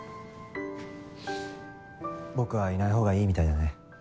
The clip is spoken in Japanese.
僕はいないほうがいいみたいだね。